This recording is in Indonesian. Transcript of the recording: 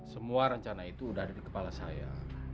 semua rencana itu sudah ada di kepala saya